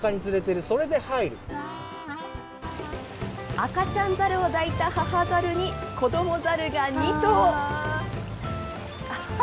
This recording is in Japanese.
赤ちゃんザルを抱いた母ザルに、子どもザルが２頭。